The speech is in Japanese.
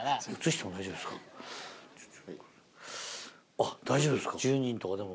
あっ大丈夫ですか。